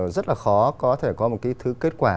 rất là khó có thể có một cái thứ kết quả